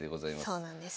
そうなんです。